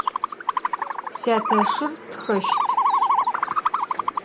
Syateşır txeşt.